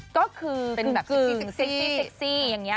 ก็คือเป็นแบบกึ่งเซ็กซี่อย่างนี้